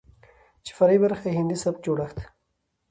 چې فرعي برخې يې هندي سبک جوړښت،